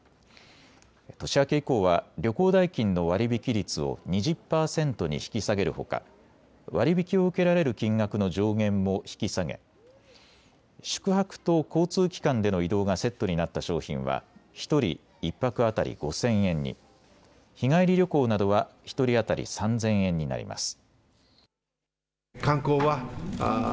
年明け以降は旅行代金の割り引き率を２０％に引き下げるほか割り引きを受けられる金額の上限も引き下げ宿泊と交通機関での移動がセットになった商品は１人１泊当たり５０００円に、日帰り旅行などは１人当たり３０００円になります。